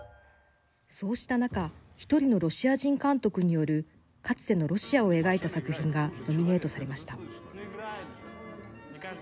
そうした中１人のロシア人監督によるかつてのロシアを描いた作品がノミネートされました。